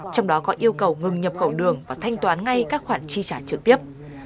trong đó có yêu cầu ngừng nhập khẩu đường và thanh toán ngay các khoản chi trả trực tiếp